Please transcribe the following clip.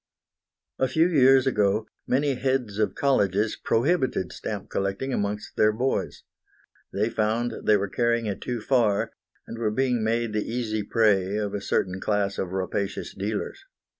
A few years ago many heads of colleges prohibited stamp collecting amongst their boys. They found they were carrying it too far, and were being made the easy prey of a certain class of rapacious dealers.